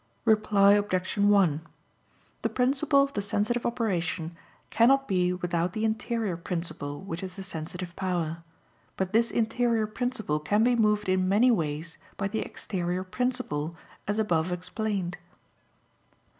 Reply Obj. 1: The principle of the sensitive operation cannot be without the interior principle which is the sensitive power; but this interior principle can be moved in many ways by the exterior principle, as above explained.